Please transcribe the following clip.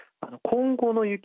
今後の雪？